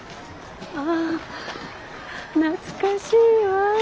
ああ懐かしいわ。